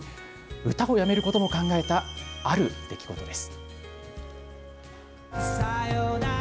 歌を辞めることも考えた、ある出来事です。